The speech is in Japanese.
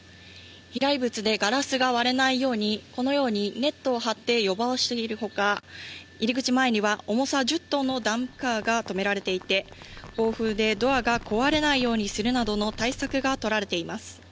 飛来物でガラスが割れないように、このようにネットを張って予防している他、入り口前には重さ１０トンのダンプカーが止められていて、強風でドアが壊れないようにするなどの対策がとられています。